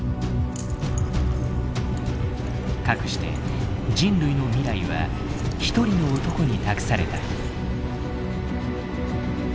かくして人類の未来は一人の男に託された。